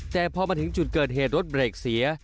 แต่พอมาถึงจุดเกิดเหตุรถเบรกเสีย